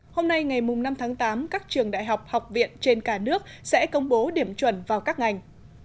hôm nay ngày năm tháng tám các trường đại học học viện trên cả nước sẽ công bố điểm chuẩn vào các ngành